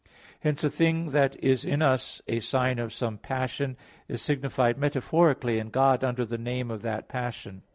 Hence a thing that is in us a sign of some passion, is signified metaphorically in God under the name of that passion.